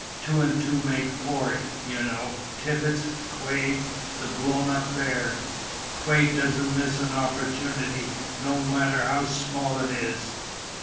Two and two make four, you know. Tibbits Quade the blown up bear. Quade doesn't miss an opportunity, no matter how small it is.